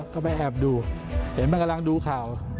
ก็ไปแอบดูเห็นมันกำลังดูข่าว